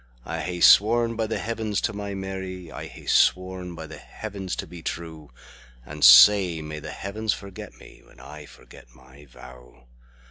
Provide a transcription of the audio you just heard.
I hae sworn by the Heavens to my Mary,I hae sworn by the Heavens to be true; And sae may the Heavens forget me, When I forget my vow!